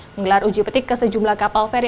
menggelar uji petik ke sejumlah kapal feri